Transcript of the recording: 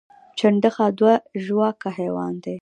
چنډخه دوه ژواکه حیوان دی